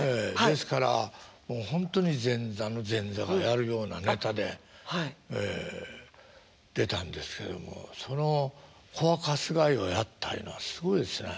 ですからほんとに前座の前座がやるようなネタでええ出たんですけどもその「子は鎹」をやったいうのはすごいですね。